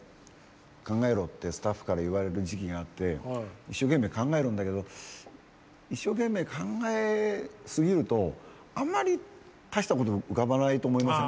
考えろってスタッフから言われる時期があって一生懸命考えるんだけど一生懸命考えすぎるとあんまり大したこと浮かばないと思いません？